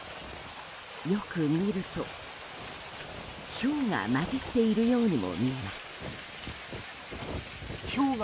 よく見ると、ひょうが交じっているようにも見えます。